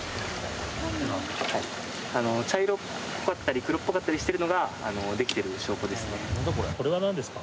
茶色っぽかったり黒っぽかったりしてるのができてる証拠ですね。